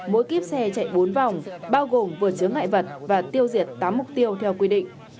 mỗi kiếp xe chạy bốn vòng bao gồm vượt chứa ngại vật và tiêu diệt tám mục tiêu theo quy định